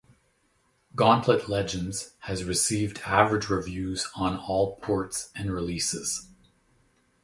"Gauntlet Legends" has received average reviews on all ports and releases.